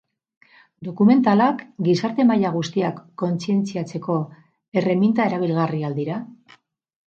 Dokumentalak gizarte-maila guztiak kontzientziatzeko erreminta erabilgarria al dira?